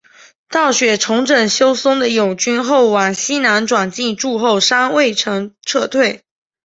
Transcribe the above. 道雪重整休松的友军后往西南转进筑后山隈城撤退。